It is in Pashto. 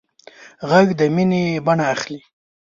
غږ د مینې بڼه اخلي